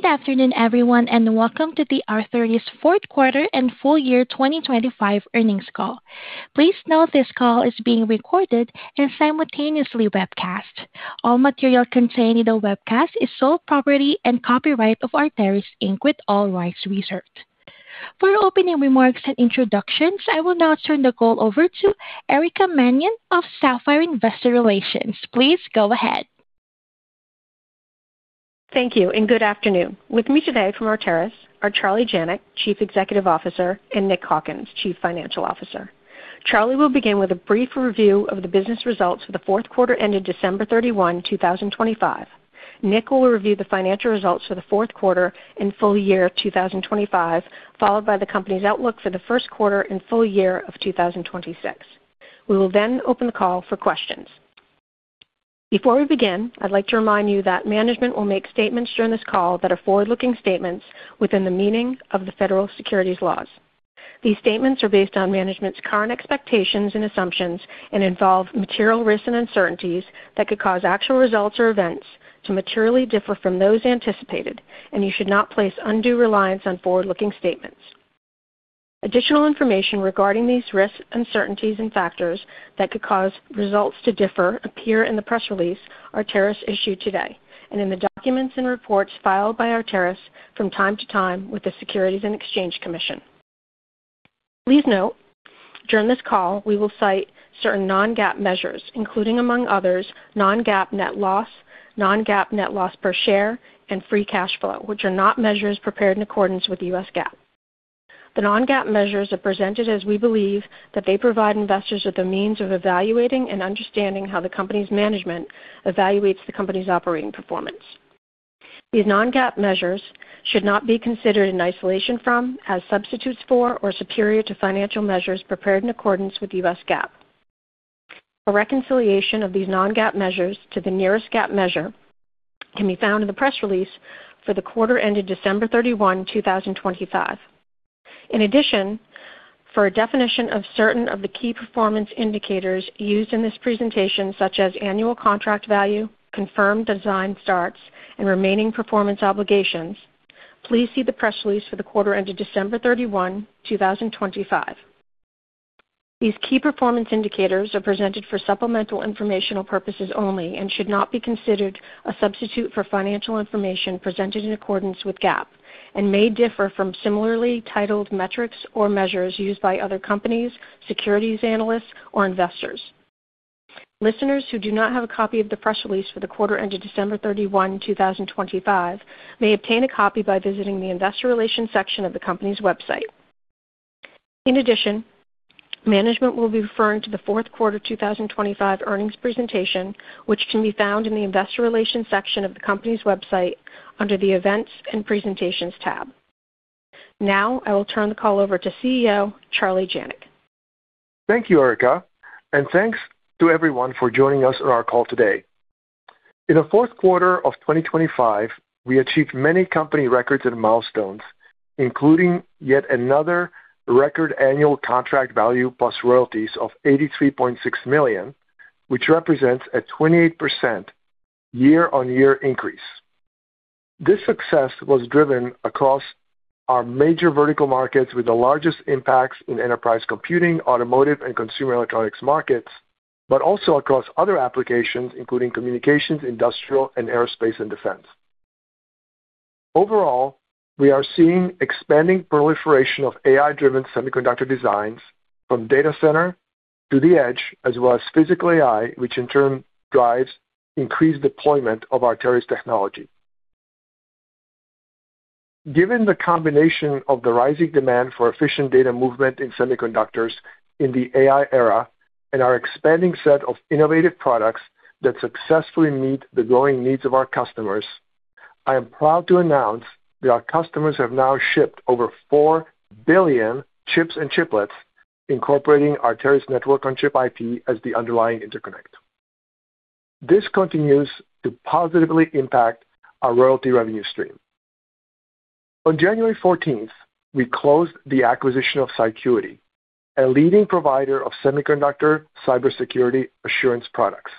Good afternoon, everyone, and welcome to the Arteris fourth quarter and full year 2025 earnings call. Please note this call is being recorded and simultaneously webcast. All material contained in the webcast is sole property and copyright of Arteris, Inc., with all rights reserved. For opening remarks and introductions, I will now turn the call over to Erica Mannion of Sapphire Investor Relations. Please go ahead. Thank you, and good afternoon. With me today from Arteris are Charlie Janac, Chief Executive Officer, and Nick Hawkins, Chief Financial Officer. Charlie will begin with a brief review of the business results for the fourth quarter ended December 31, 2025. Nick will review the financial results for the fourth quarter and full year of 2025, followed by the company's outlook for the first quarter and full year of 2026. We will then open the call for questions. Before we begin, I'd like to remind you that management will make statements during this call that are forward-looking statements within the meaning of the federal securities laws. These statements are based on management's current expectations and assumptions and involve material risks and uncertainties that could cause actual results or events to materially differ from those anticipated, and you should not place undue reliance on forward-looking statements. Additional information regarding these risks, uncertainties, and factors that could cause results to differ appear in the press release Arteris issued today and in the documents and reports filed by Arteris from time to time with the Securities and Exchange Commission. Please note, during this call, we will cite certain non-GAAP measures, including, among others, non-GAAP net loss, non-GAAP net loss per share, and free cash flow, which are not measures prepared in accordance with the U.S. GAAP. The non-GAAP measures are presented as we believe that they provide investors with a means of evaluating and understanding how the company's management evaluates the company's operating performance. These non-GAAP measures should not be considered in isolation from, as substitutes for, or superior to financial measures prepared in accordance with U.S. GAAP. A reconciliation of these non-GAAP measures to the nearest GAAP measure can be found in the press release for the quarter ended December 31, 2025. In addition, for a definition of certain of the key performance indicators used in this presentation, such as annual contract value, confirmed design starts, and remaining performance obligations, please see the press release for the quarter ended December 31, 2025. These key performance indicators are presented for supplemental informational purposes only and should not be considered a substitute for financial information presented in accordance with GAAP and may differ from similarly titled metrics or measures used by other companies, securities analysts, or investors. Listeners who do not have a copy of the press release for the quarter ended December 31, 2025, may obtain a copy by visiting the investor relations section of the company's website. In addition, management will be referring to the fourth quarter 2025 earnings presentation, which can be found in the investor relations section of the company's website under the Events and Presentations tab. Now, I will turn the call over to CEO, Charlie Janac. Thank you, Erica, and thanks to everyone for joining us on our call today. In the fourth quarter of 2025, we achieved many company records and milestones, including yet another record annual contract value plus royalties of $83.6 million, which represents a 28% year-on-year increase. This success was driven across our major vertical markets, with the largest impacts in enterprise computing, automotive, and consumer electronics markets, but also across other applications, including communications, industrial, and aerospace and defense. Overall, we are seeing expanding proliferation of AI-driven semiconductor designs from data center to the edge, as well as physical AI, which in turn drives increased deployment of Arteris technology. Given the combination of the rising demand for efficient data movement in semiconductors in the AI era and our expanding set of innovative products that successfully meet the growing needs of our customers, I am proud to announce that our customers have now shipped over 4 billion chips and chiplets, incorporating Arteris' Network-on-Chip IP as the underlying interconnect. This continues to positively impact our royalty revenue stream. On January fourteenth, we closed the acquisition of Cycuity, a leading provider of semiconductor cybersecurity assurance products.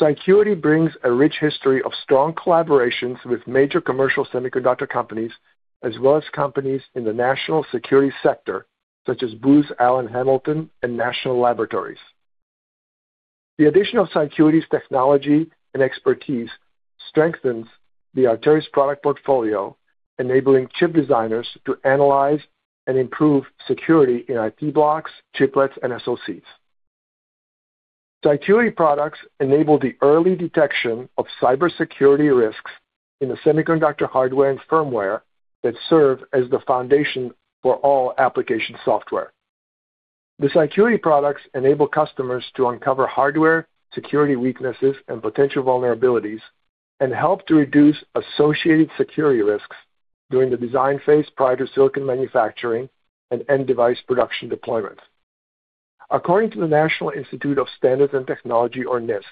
Cycuity brings a rich history of strong collaborations with major commercial semiconductor companies, as well as companies in the national security sector, such as Booz Allen Hamilton and National Laboratories. The addition of Cycuity's technology and expertise strengthens the Arteris product portfolio, enabling chip designers to analyze and improve security in IP blocks, chiplets, and SoCs. Cycuity products enable the early detection of cybersecurity risks in the semiconductor hardware and firmware that serve as the foundation for all application software. The Cycuity products enable customers to uncover hardware, security weaknesses, and potential vulnerabilities, and help to reduce associated security risks during the design phase prior to silicon manufacturing and end device production deployment. According to the National Institute of Standards and Technology, or NIST,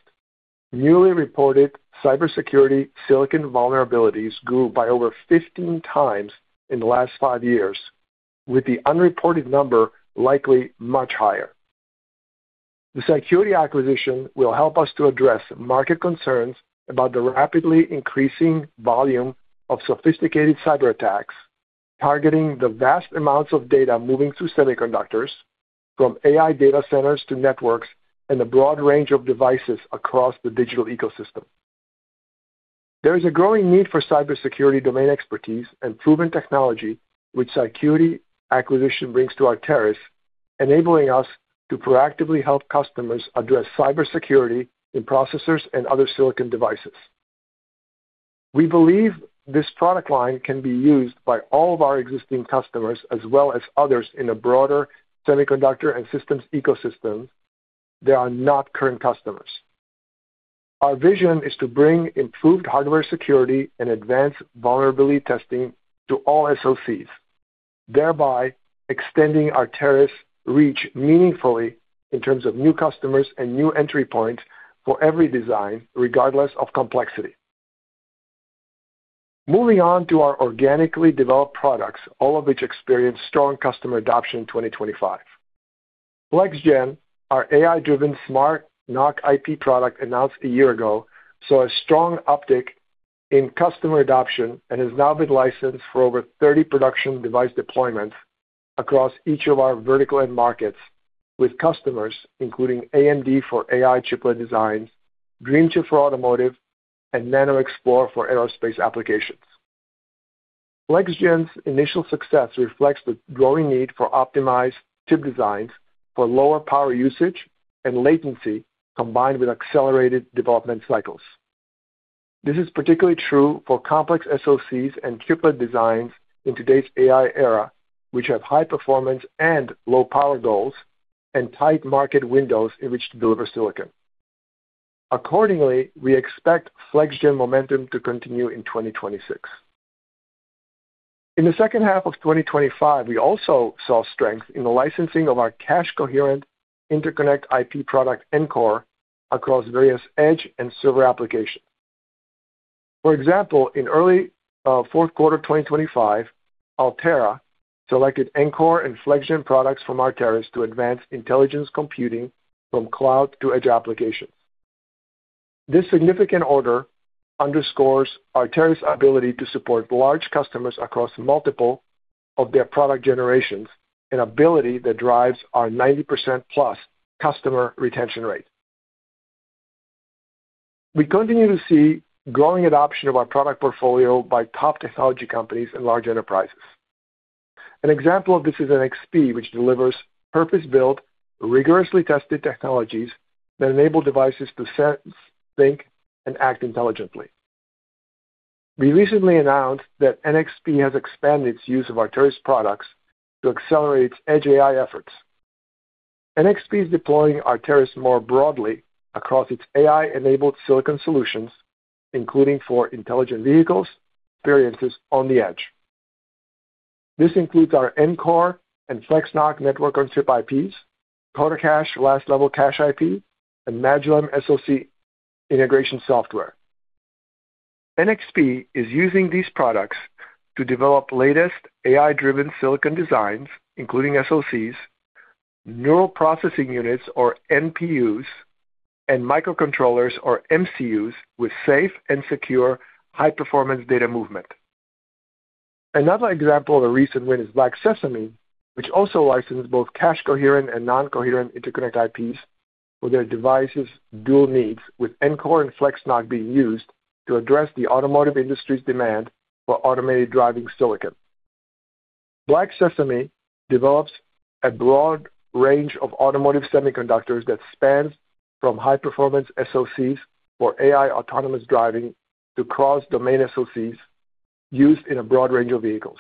newly reported cybersecurity silicon vulnerabilities grew by over 15 times in the last five years, with the unreported number likely much higher.... The security acquisition will help us to address market concerns about the rapidly increasing volume of sophisticated cyberattacks, targeting the vast amounts of data moving through semiconductors, from AI data centers to networks, and a broad range of devices across the digital ecosystem. There is a growing need for cybersecurity domain expertise and proven technology, which security acquisition brings to Arteris, enabling us to proactively help customers address cybersecurity in processors and other silicon devices. We believe this product line can be used by all of our existing customers, as well as others in a broader semiconductor and systems ecosystem that are not current customers. Our vision is to bring improved hardware security and advanced vulnerability testing to all SoCs, thereby extending Arteris' reach meaningfully in terms of new customers and new entry points for every design, regardless of complexity. Moving on to our organically developed products, all of which experienced strong customer adoption in 2025. FlexGen, our AI-driven smart NoC IP product, announced a year ago, saw a strong uptick in customer adoption and has now been licensed for over 30 production device deployments across each of our vertical end markets, with customers including AMD for AI chiplet designs, GreenChip for automotive, and NanoXplore for aerospace applications. FlexGen's initial success reflects the growing need for optimized chip designs for lower power usage and latency, combined with accelerated development cycles. This is particularly true for complex SoCs and chiplet designs in today's AI era, which have high performance and low power goals and tight market windows in which to deliver silicon. Accordingly, we expect FlexGen momentum to continue in 2026. In the second half of 2025, we also saw strength in the licensing of our cache coherent interconnect IP product, Ncore, across various edge and server applications. For example, in early fourth quarter 2025, Altera selected Ncore and FlexGen products from Arteris to advance intelligence computing from cloud to edge applications. This significant order underscores Arteris' ability to support large customers across multiple of their product generations, an ability that drives our 90%+ customer retention rate. We continue to see growing adoption of our product portfolio by top technology companies and large enterprises. An example of this is NXP, which delivers purpose-built, rigorously tested technologies that enable devices to sense, think, and act intelligently. We recently announced that NXP has expanded its use of Arteris products to accelerate its edge AI efforts. NXP is deploying Arteris more broadly across its AI-enabled silicon solutions, including for intelligent vehicles, experiences on the edge. This includes our Ncore and FlexNoC network on chip IPs, CodaCache last level cache IP, and Magillem SoC integration software. NXP is using these products to develop latest AI-driven silicon designs, including SoCs, neural processing units or NPUs, and microcontrollers or MCUs, with safe and secure high-performance data movement. Another example of a recent win is Black Sesame, which also licensed both cache coherent and non-coherent interconnect IPs for their device's dual needs, with Ncore and FlexNoC being used to address the automotive industry's demand for automated driving silicon. Black Sesame develops a broad range of automotive semiconductors that spans from high-performance SoCs for AI autonomous driving to cross-domain SoCs used in a broad range of vehicles.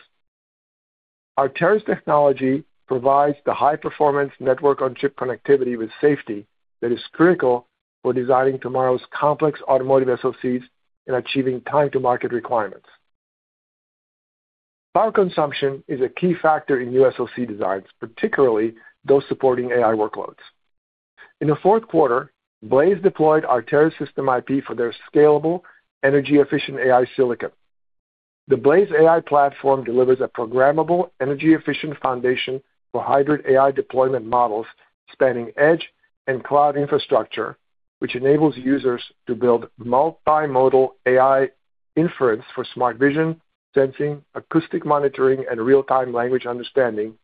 Arteris technology provides the high-performance network-on-chip connectivity with safety that is critical for designing tomorrow's complex automotive SoCs and achieving time to market requirements. Power consumption is a key factor in new SoC designs, particularly those supporting AI workloads. In the fourth quarter, Blaize deployed Arteris system IP for their scalable, energy-efficient AI silicon. The Blaize AI platform delivers a programmable, energy-efficient foundation for hybrid AI deployment models, spanning edge and cloud infrastructure, which enables users to build multimodal AI inference for smart vision, sensing, acoustic monitoring, and real-time language understanding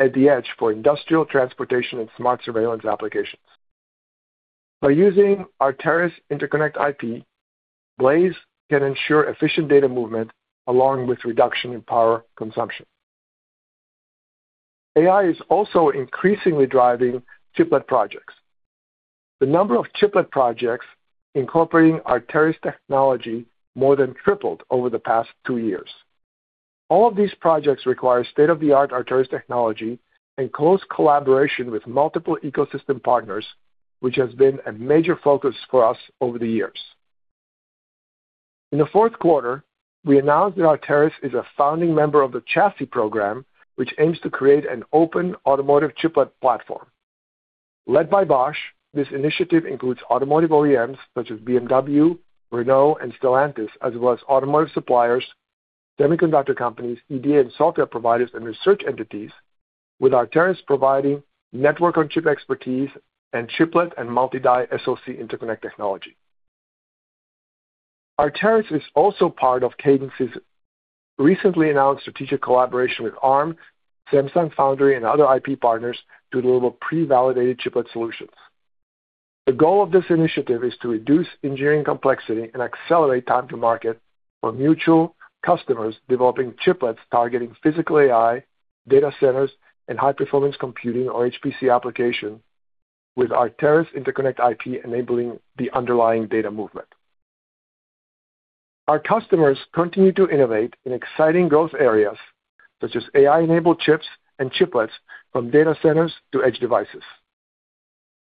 at the edge for industrial, transportation, and smart surveillance applications. By using Arteris interconnect IP, Blaize can ensure efficient data movement along with reduction in power consumption. AI is also increasingly driving chiplet projects. The number of chiplet projects incorporating Arteris technology more than tripled over the past two years. All of these projects require state-of-the-art Arteris technology and close collaboration with multiple ecosystem partners, which has been a major focus for us over the years. In the fourth quarter, we announced that Arteris is a founding member of the TRISTAN Project, which aims to create an open automotive chiplet platform. Led by Bosch, this initiative includes automotive OEMs such as BMW, Renault, and Stellantis, as well as automotive suppliers, semiconductor companies, EDA and software providers, and research entities, with Arteris providing Network-on-Chip expertise and chiplet and multi-die SoC interconnect technology. Arteris is also part of Cadence's recently announced strategic collaboration with Arm, Samsung Foundry, and other IP partners to deliver pre-validated chiplet solutions. The goal of this initiative is to reduce engineering complexity and accelerate time to market for mutual customers developing chiplets, targeting physical AI, data centers, and high-performance computing or HPC application, with Arteris interconnect IP enabling the underlying data movement. Our customers continue to innovate in exciting growth areas such as AI-enabled chips and chiplets, from data centers to edge devices.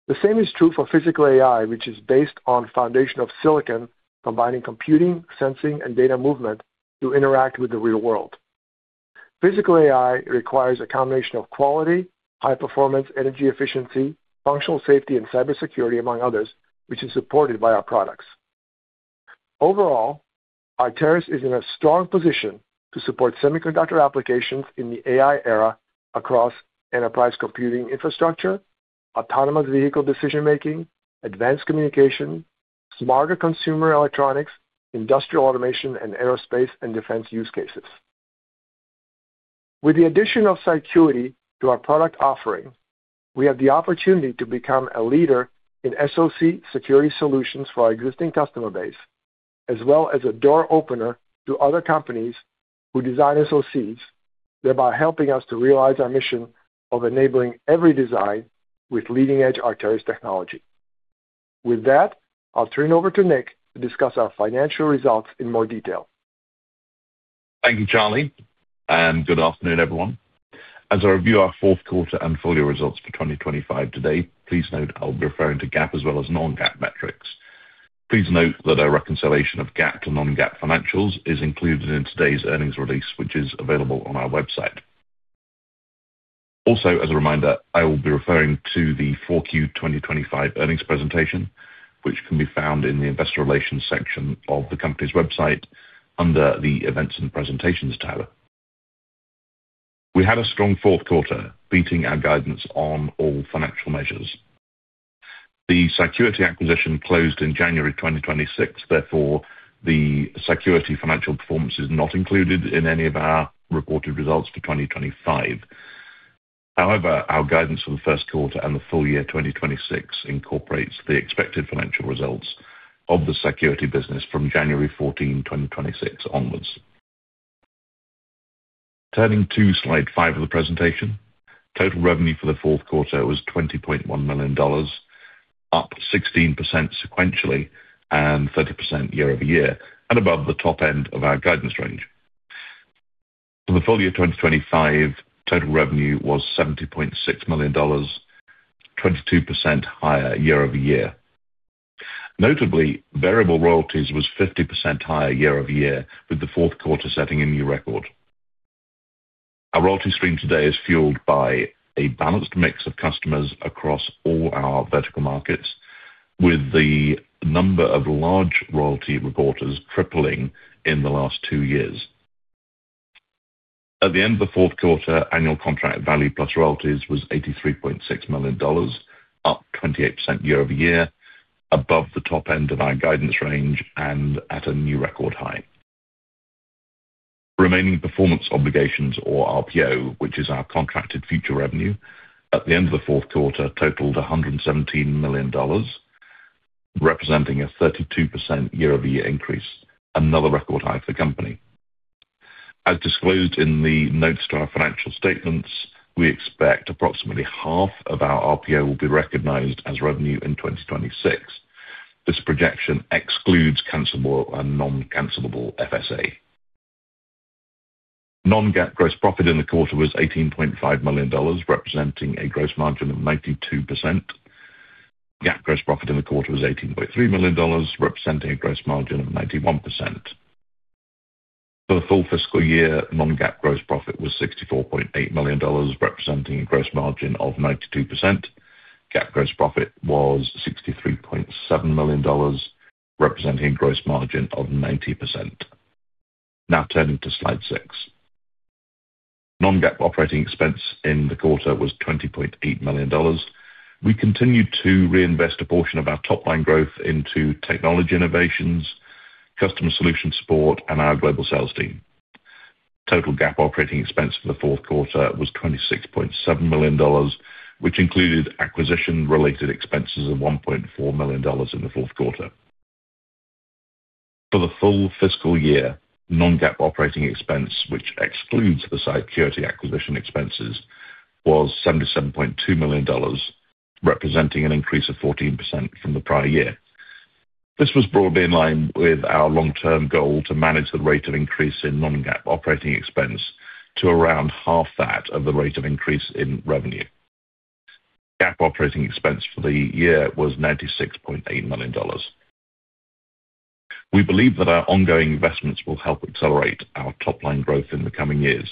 The same is true for physical AI, which is based on foundation of silicon, combining computing, sensing, and data movement to interact with the real world. physical AI requires a combination of quality, high performance, energy efficiency, functional safety, and cybersecurity, among others, which is supported by our products. Overall, Arteris is in a strong position to support semiconductor applications in the AI era across enterprise computing infrastructure, autonomous vehicle decision-making, advanced communication, smarter consumer electronics, industrial automation, and aerospace and defense use cases. With the addition of Cycuity to our product offering, we have the opportunity to become a leader in SoC security solutions for our existing customer base, as well as a door opener to other companies who design SoCs, thereby helping us to realize our mission of enabling every design with leading-edge Arteris technology. With that, I'll turn it over to Nick to discuss our financial results in more detail. Thank you, Charlie, and good afternoon, everyone. As I review our fourth quarter and full year results for 2025 today, please note I'll be referring to GAAP as well as non-GAAP metrics. Please note that our reconciliation of GAAP to non-GAAP financials is included in today's earnings release, which is available on our website. Also, as a reminder, I will be referring to the 4Q 2025 earnings presentation, which can be found in the investor relations section of the company's website under the Events and Presentations tab. We had a strong fourth quarter, beating our guidance on all financial measures. The security acquisition closed in January 2026. Therefore, the security financial performance is not included in any of our reported results for 2025. However, our guidance for the first quarter and the full year 2026 incorporates the expected financial results of the security business from January 14, 2026 onwards. Turning to slide 5 of the presentation. Total revenue for the fourth quarter was $20.1 million, up 16% sequentially and 30% year-over-year, and above the top end of our guidance range. For the full year 2025, total revenue was $70.6 million, 22% higher year-over-year. Notably, variable royalties was 50% higher year-over-year, with the fourth quarter setting a new record. Our royalty stream today is fueled by a balanced mix of customers across all our vertical markets, with the number of large royalty reporters tripling in the last 2 years. At the end of the fourth quarter, annual contract value plus royalties was $83.6 million, up 28% year over year, above the top end of our guidance range and at a new record high. Remaining performance obligations, or RPO, which is our contracted future revenue at the end of the fourth quarter, totaled $117 million, representing a 32% year-over-year increase, another record high for the company. As disclosed in the notes to our financial statements, we expect approximately half of our RPO will be recognized as revenue in 2026. This projection excludes cancelable and non-cancelable FSA. Non-GAAP gross profit in the quarter was $18.5 million, representing a gross margin of 92%. GAAP gross profit in the quarter was $18.3 million, representing a gross margin of 91%. For the full fiscal year, non-GAAP gross profit was $64.8 million, representing a gross margin of 92%. GAAP gross profit was $63.7 million, representing a gross margin of 90%. Now turning to Slide 6. Non-GAAP operating expense in the quarter was $20.8 million. We continued to reinvest a portion of our top-line growth into technology innovations, customer solution support, and our global sales team. Total GAAP operating expense for the fourth quarter was $26.7 million, which included acquisition-related expenses of $1.4 million in the fourth quarter. For the full fiscal year, non-GAAP operating expense, which excludes the Cycuity acquisition expenses, was $77.2 million, representing an increase of 14% from the prior year. This was broadly in line with our long-term goal to manage the rate of increase in non-GAAP operating expense to around half that of the rate of increase in revenue. GAAP operating expense for the year was $96.8 million. We believe that our ongoing investments will help accelerate our top-line growth in the coming years.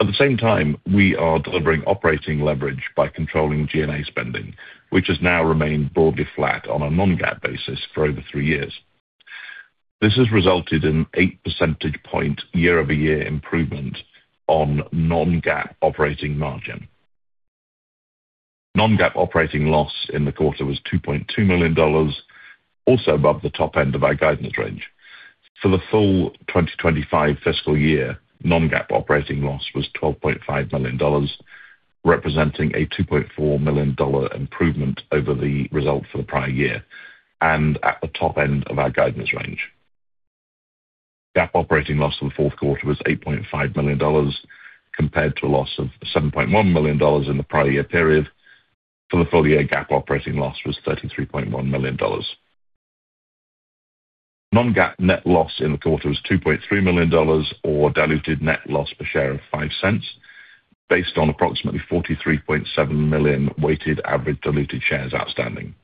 At the same time, we are delivering operating leverage by controlling G&A spending, which has now remained broadly flat on a non-GAAP basis for over three years. This has resulted in 8 percentage point year-over-year improvement on non-GAAP operating margin. Non-GAAP operating loss in the quarter was $2.2 million, also above the top end of our guidance range. For the full 2025 fiscal year, non-GAAP operating loss was $12.5 million, representing a $2.4 million dollar improvement over the result for the prior year and at the top end of our guidance range. GAAP operating loss for the fourth quarter was $8.5 million, compared to a loss of $7.1 million in the prior year period. For the full year, GAAP operating loss was $33.1 million. Non-GAAP net loss in the quarter was $2.3 million, or diluted net loss per share of $0.05, based on approximately 43.7 million weighted average diluted shares outstanding.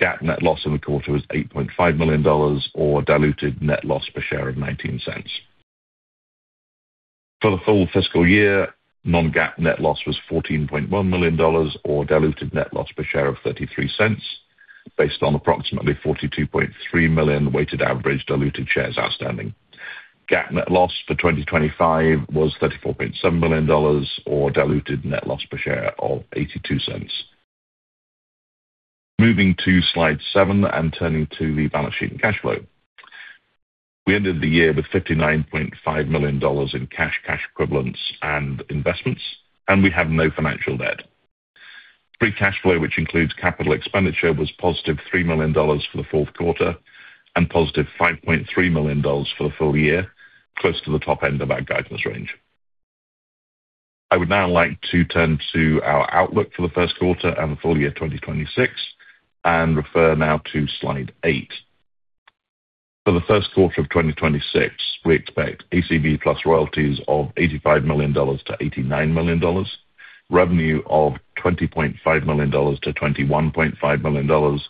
GAAP net loss in the quarter was $8.5 million, or diluted net loss per share of $0.19. For the full fiscal year, non-GAAP net loss was $14.1 million, or diluted net loss per share of $0.33, based on approximately 42.3 million weighted average diluted shares outstanding. GAAP net loss for 2025 was $34.7 million, or diluted net loss per share of $0.82. Moving to slide 7 and turning to the balance sheet and cash flow. We ended the year with $59.5 million in cash, cash equivalents, and investments, and we have no financial debt. Free cash flow, which includes capital expenditure, was positive $3 million for the fourth quarter and positive $5.3 million for the full year, close to the top end of our guidance range. I would now like to turn to our outlook for the first quarter and the full year 2026 and refer now to slide 8. For the first quarter of 2026, we expect ACV plus royalties of $85 million-$89 million, revenue of $20.5 million-$21.5 million,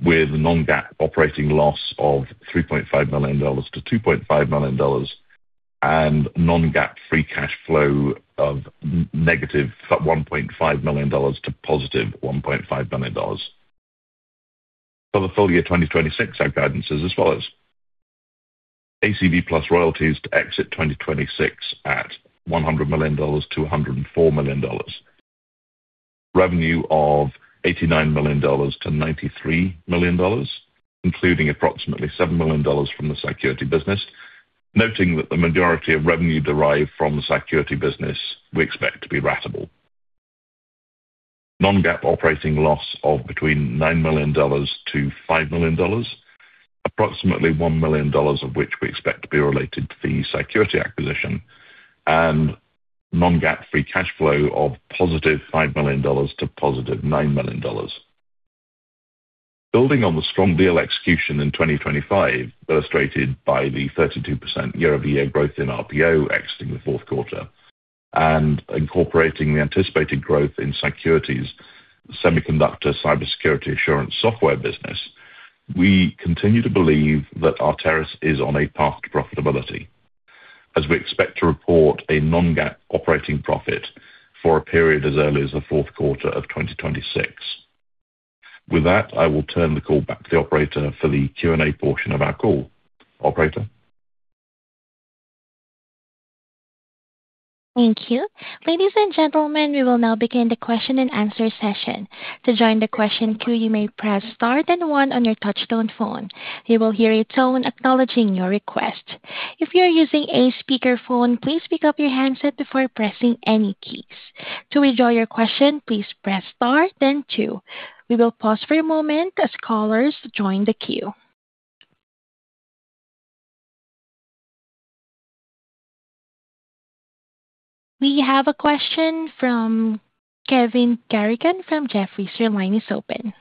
with non-GAAP operating loss of $3.5 million-$2.5 million and non-GAAP free cash flow of negative $1.5 million to positive $1.5 million. For the full year 2026, our guidance is as follows: ACV plus royalties to exit 2026 at $100 million-$104 million. Revenue of $89 million-$93 million, including approximately $7 million from the security business. Noting that the majority of revenue derived from the Cycuity business we expect to be ratable. Non-GAAP operating loss of between $9 million-$5 million, approximately $1 million of which we expect to be related to the Cycuity acquisition. Non-GAAP free cash flow of $5 million-$9 million. Building on the strong deal execution in 2025, illustrated by the 32% year-over-year growth in RPO exiting the fourth quarter and incorporating the anticipated growth in Cycuity's semiconductor cybersecurity assurance software business, we continue to believe that Arteris is on a path to profitability, as we expect to report a non-GAAP operating profit for a period as early as the fourth quarter of 2026. With that, I will turn the call back to the operator for the Q&A portion of our call. Operator? Thank you. Ladies and gentlemen, we will now begin the question-and-answer session. To join the question queue, you may press Star then one on your touchtone phone. You will hear a tone acknowledging your request. If you are using a speakerphone, please pick up your handset before pressing any keys. To withdraw your question, please press Star then two. We will pause for a moment as callers join the queue. We have a question from Kevin Garrigan from Jefferies. Your line is open.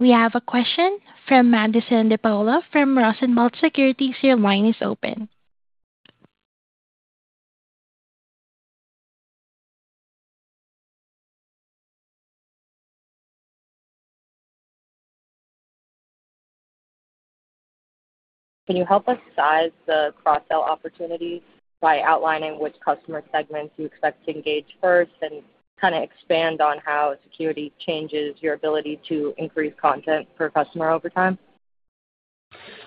We have a question from Madison DePaula from Rosenblatt Securities. Your line is open. Can you help us size the cross-sell opportunities by outlining which customer segments you expect to engage first and kind of expand on how security changes your ability to increase content per customer over time?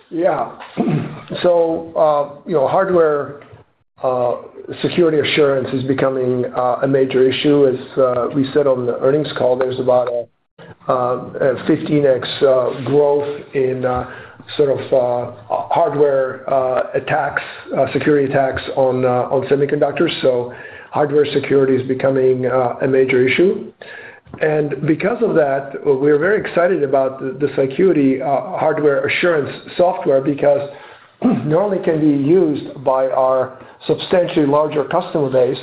Yeah. So, you know, hardware security assurance is becoming a major issue. As we said on the earnings call, there's about a 15x growth in sort of hardware attacks, security attacks on semiconductors. So hardware security is becoming a major issue. And because of that, we're very excited about the security hardware assurance software, because not only can it be used by our substantially larger customer base,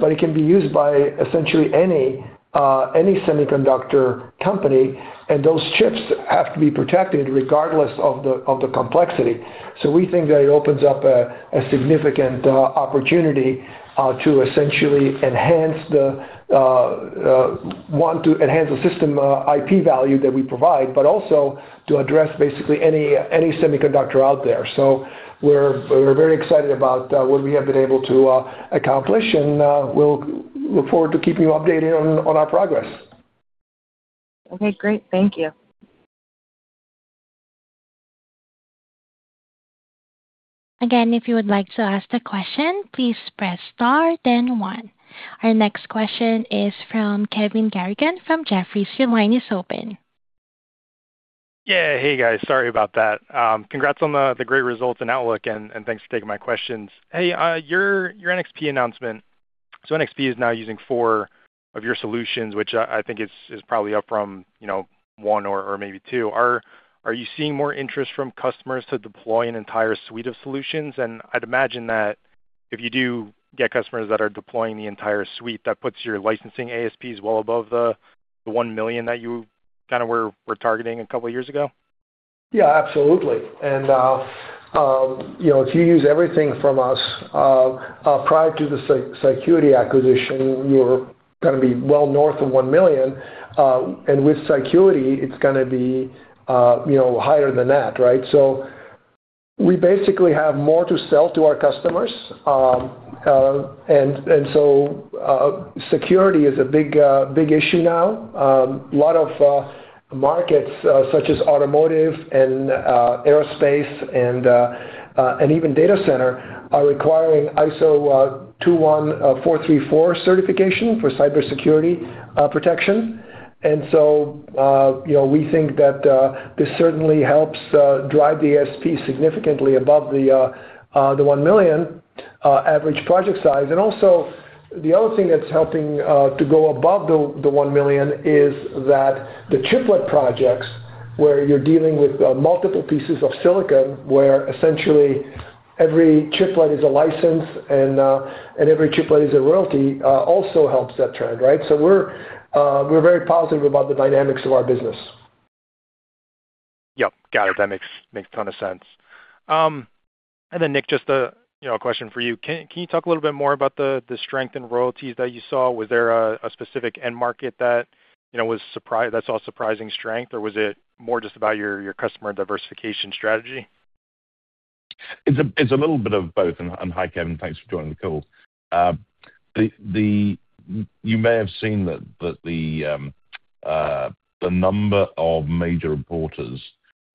but it can be used by essentially any semiconductor company, and those chips have to be protected regardless of the complexity. So we think that it opens up a significant opportunity to essentially enhance the system IP value that we provide, but also to address basically any semiconductor out there. So we're very excited about what we have been able to accomplish, and we'll look forward to keeping you updated on our progress. Okay, great. Thank you. Again, if you would like to ask the question, please press Star, then one. Our next question is from Kevin Garrigan from Jefferies. Your line is open. Yeah. Hey, guys, sorry about that. Congrats on the great results and outlook, and thanks for taking my questions. Hey, your NXP announcement. So NXP is now using 4 of your solutions, which I think is probably up from, you know, 1 or maybe 2. Are you seeing more interest from customers to deploy an entire suite of solutions? And I'd imagine that if you do get customers that are deploying the entire suite, that puts your licensing ASPs well above the $1 million that you kind of were targeting a couple years ago. Yeah, absolutely. And, you know, if you use everything from us, prior to the Cycuity acquisition, you're gonna be well north of $1 million, and with Cycuity, it's gonna be, you know, higher than that, right? So we basically have more to sell to our customers. And so, security is a big issue now. A lot of markets, such as automotive and aerospace and even data center, are requiring ISO 21434 certification for cybersecurity protection. And so, you know, we think that this certainly helps drive the ASP significantly above the $1 million average project size. Also, the other thing that's helping to go above the 1 million is that the chiplet projects, where you're dealing with multiple pieces of silicon, where essentially every chiplet is a license and every chiplet is a royalty, also helps that trend, right? So we're very positive about the dynamics of our business. Yep, got it. That makes a ton of sense. And then, Nick, just, you know, a question for you. Can you talk a little bit more about the strength in royalties that you saw? Was there a specific end market that, you know, that saw surprising strength, or was it more just about your customer diversification strategy? It's a little bit of both. Hi, Kevin, thanks for joining the call. You may have seen that the number of major reporters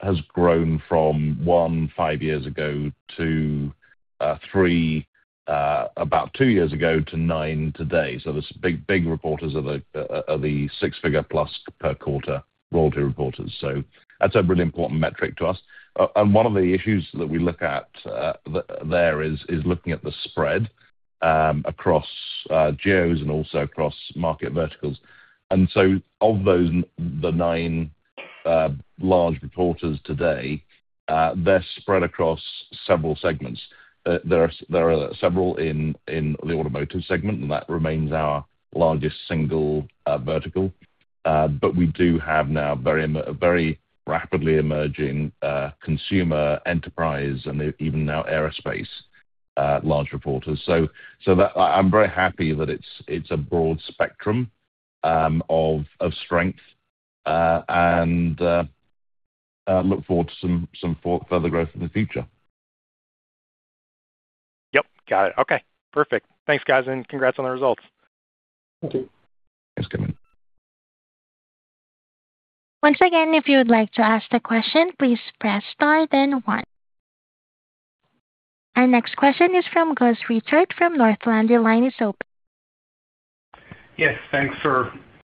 has grown from 1, 5 years ago to 3, about 2 years ago to 9 today. So those big reporters are the six-figure-plus per quarter royalty reporters. So that's a really important metric to us. And one of the issues that we look at is looking at the spread across geos and also across market verticals. And so of those, the 9 large reporters today, they're spread across several segments. There are several in the automotive segment, and that remains our largest single vertical. But we do have now very rapidly emerging consumer enterprise and even now, aerospace, large reporters. So that I, I'm very happy that it's a broad spectrum of strength, and I look forward to some further growth in the future. Yep, got it. Okay, perfect. Thanks, guys, and congrats on the results. Thank you. Thanks, Kevin. Once again, if you would like to ask the question, please press Star, then one. Our next question is from Gus Richard from Northland. Your line is open. Yes, thanks for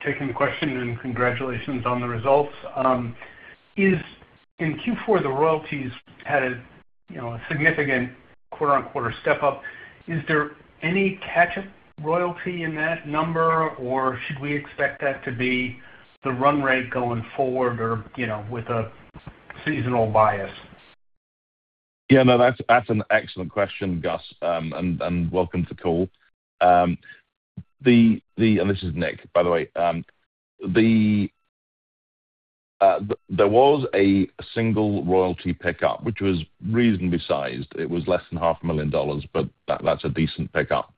taking the question, and congratulations on the results. In Q4, the royalties had a, you know, a significant quarter-on-quarter step up. Is there any catch-up royalty in that number, or should we expect that to be the run rate going forward or, you know, with a seasonal bias? Yeah, no, that's, that's an excellent question, Gus, and, and welcome to the call. And this is Nick, by the way. There was a single royalty pickup, which was reasonably sized. It was less than $500,000, but that's a decent pickup,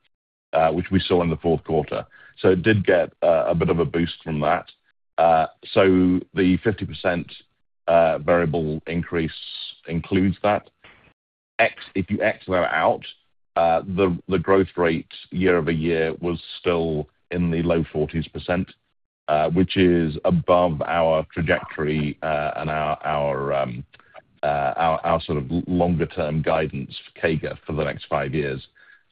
which we saw in the fourth quarter. So it did get a bit of a boost from that. So the 50% variable increase includes that. If you X them out, the growth rate year-over-year was still in the low 40s%, which is above our trajectory, and our sort of longer-term guidance for CAGR for the next five years.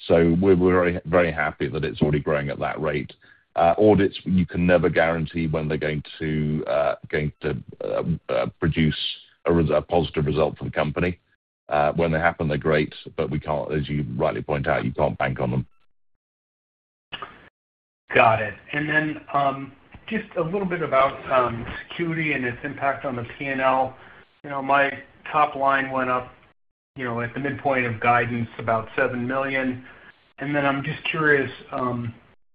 So we're, we're very, very happy that it's already growing at that rate. Audits, you can never guarantee when they're going to produce a positive result for the company. When they happen, they're great, but we can't, as you rightly point out, you can't bank on them. Got it. And then, just a little bit about security and its impact on the P&L. You know, my top line went up, you know, at the midpoint of guidance, about $7 million. And then I'm just curious,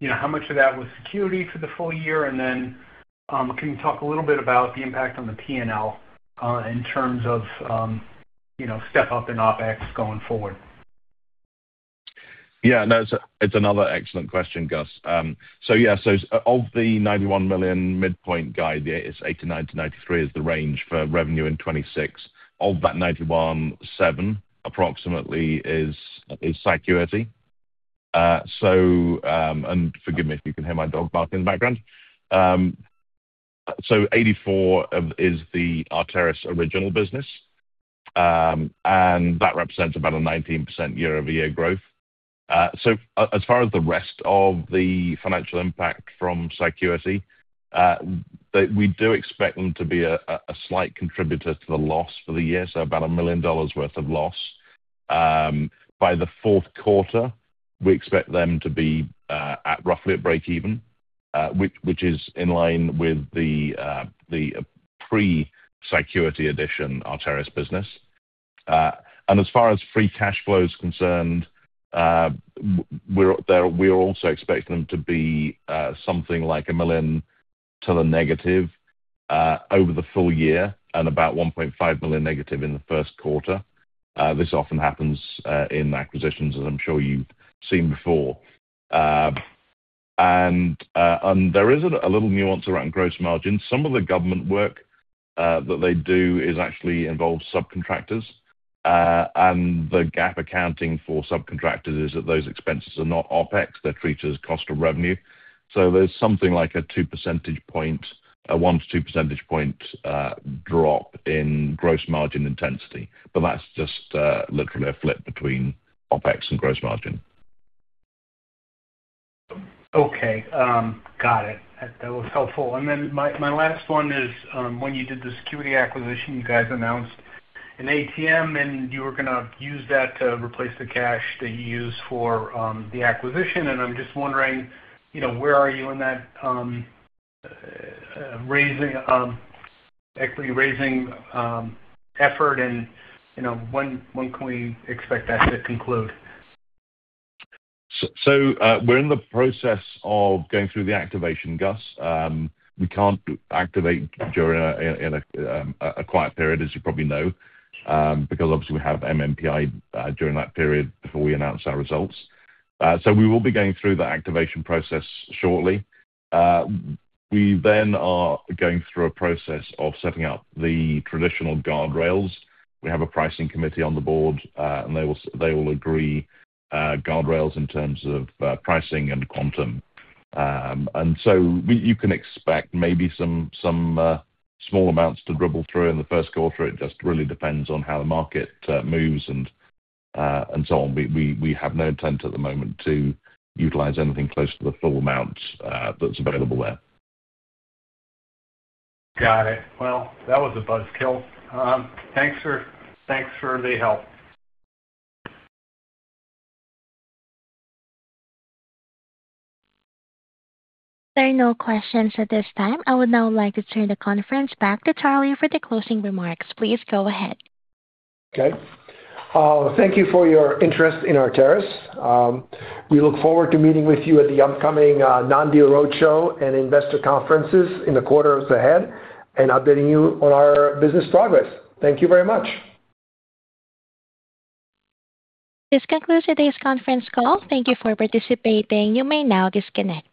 you know, how much of that was security for the full year? And then, can you talk a little bit about the impact on the P&L, in terms of, you know, step-up in OpEx going forward? Yeah, no, it's another excellent question, Gus. So, of the $91 million midpoint guide, it's $89 million-$93 million is the range for revenue in 2026. Of that $91 million, approximately $7 million is Cycuity. So, and forgive me if you can hear my dog barking in the background. So $84 million is the Arteris original business, and that represents about a 19% year-over-year growth. So as far as the rest of the financial impact from Cycuity, they do expect them to be a slight contributor to the loss for the year, so about a $1 million loss. By the fourth quarter, we expect them to be at roughly breakeven, which is in line with the pre-Cycuity addition Arteris business. And as far as free cash flow is concerned, we're there—we're also expecting them to be something like -$1 million over the full year and about -$1.5 million in the first quarter. This often happens in acquisitions, as I'm sure you've seen before. And there is a little nuance around gross margin. Some of the government work that they do is actually involves subcontractors. And the GAAP accounting for subcontractors is that those expenses are not OpEx, they're treated as cost of revenue. So there's something like a 2 percentage point, a 1-2 percentage point drop in gross margin intensity, but that's just literally a flip between OpEx and gross margin. Okay. Got it. That was helpful. And then my last one is, when you did the security acquisition, you guys announced an ATM, and you were gonna use that to replace the cash that you used for the acquisition. And I'm just wondering, you know, where are you in that raising equity raising effort, and, you know, when can we expect that to conclude? So, we're in the process of going through the activation, Gus. We can't activate during a quiet period, as you probably know, because obviously we have MNPI during that period before we announce our results. So we will be going through that activation process shortly. We then are going through a process of setting up the traditional guardrails. We have a pricing committee on the board, and they will agree guardrails in terms of pricing and quantum. And so we—you can expect maybe some small amounts to dribble through in the first quarter. It just really depends on how the market moves and so on. We have no intent at the moment to utilize anything close to the full amount that's available there. Got it. Well, that was a buzzkill. Thanks for the help. There are no questions at this time. I would now like to turn the conference back to Charlie for the closing remarks. Please go ahead. Okay. Thank you for your interest in Arteris. We look forward to meeting with you at the upcoming non-deal roadshow and investor conferences in the quarters ahead and updating you on our business progress. Thank you very much. This concludes today's conference call. Thank you for participating. You may now disconnect.